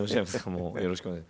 もうよろしくお願いします。